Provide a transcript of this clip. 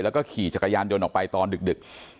แล้วก็ขี่จักรยานยนต์ออกไปตอนดึก